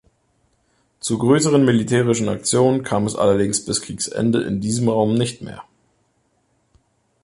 Zu größeren militärischen Aktionen kam es allerdings bis Kriegsende in diesem Raum nicht mehr.